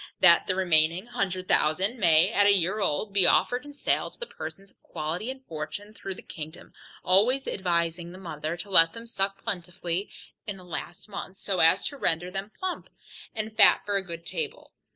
That the remaining hundred thousand may, at a year old, be offered in sale to the persons of quality and fortune, through the kingdom, always advising the mother to let them suck plentifully in the last month, so as to render them plump, and fat for a good table.